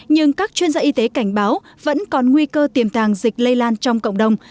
nhưng các chuyên gia y tế cảnh báo vẫn còn nguy cơ tiềm tàng dịch lây lan trong cộng đồng